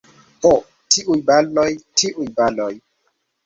Ho, tiuj baloj, tiuj baloj!